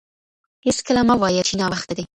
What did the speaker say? هېڅکله مه وايه چي ناوخته دی.